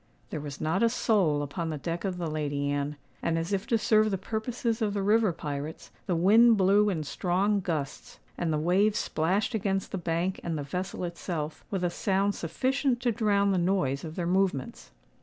There was not a soul upon the deck of the Lady Anne; and, as if to serve the purposes of the river pirates, the wind blew in strong gusts, and the waves splashed against the bank and the vessel itself, with a sound sufficient to drown the noise of their movements.